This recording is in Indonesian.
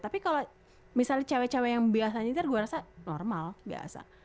tapi kalau misalnya cewe cewe yang biasa nyetir gue rasa normal biasa